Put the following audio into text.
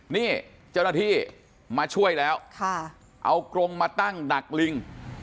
นี่เจ้าหน้าที่มาช่วยแล้วเอากรงมาตั้งดักลิง